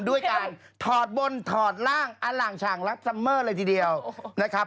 ด้วยการถอดบนถอดร่างอล่างฉ่างรักซัมเมอร์เลยทีเดียวนะครับ